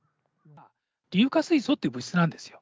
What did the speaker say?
硫化水素っていう物質なんですよ。